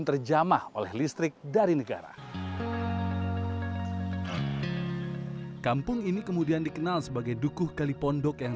terjamah oleh listrik dari negara kampung ini kemudian dikenal sebagai dukuh kalipondok yang